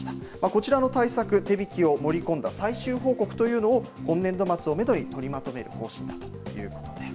こちらの対策、手引を盛り込んだ最終報告というのを、今年度末をメドに取りまとめる方針だということです。